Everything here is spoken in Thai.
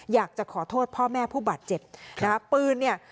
อยากจะขอโทษพ่อแม่ผู้บาดเจ็บนะคะปืนเนี่ย